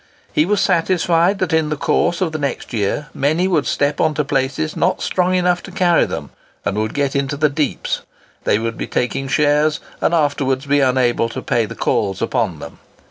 He was satisfied that in the course of the next year many would step on to places not strong enough to carry them, and would get into the deeps; they would be taking shares, and afterwards be unable to pay the calls upon them.